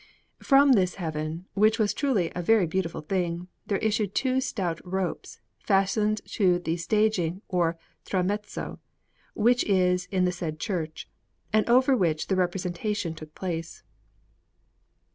From this Heaven, which was truly a very beautiful thing, there issued two stout ropes fastened to the staging or tramezzo which is in the said church, and over which the representation took place.